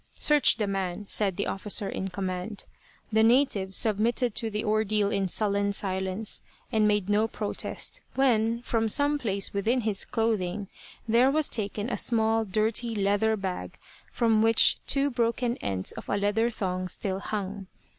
"Search the man," said the officer in command. The native submitted to the ordeal in sullen silence, and made no protest, when, from some place within his clothing, there was taken a small, dirty leather bag from which two broken ends of leather thong still hung.